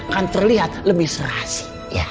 kan terlihat lebih serasi